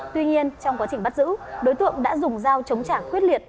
tuy nhiên trong quá trình bắt giữ đối tượng đã dùng dao chống chả khuyết liệt